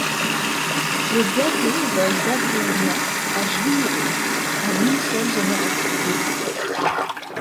Le Gazé vole d'avril-mai à juillet-août, en une seule génération.